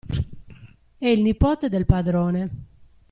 È il nipote del padrone.